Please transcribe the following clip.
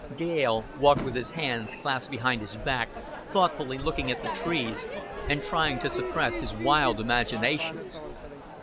Dale walked with his hands clasped behind his back, thoughtfully looking at the trees, and trying to suppress his wild imaginations.